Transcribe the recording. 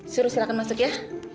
suruh silahkan masuk ya